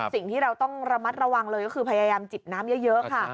สิ่งที่เราต้องระมัดระวังเลยก็คือพยายามจิบน้ำเยอะค่ะ